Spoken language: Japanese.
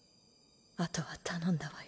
後は頼んだわよ。